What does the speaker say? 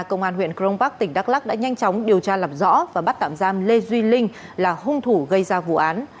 công an huyện cron park tỉnh đắk lắc đã nhanh chóng điều tra làm rõ và bắt tạm giam lê duy linh là hung thủ gây ra vụ án